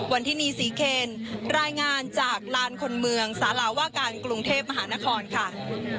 วันที่นี่ศรีเคนรายงานจากลานคนเมืองสาราว่าการกรุงเทพมหานครค่ะ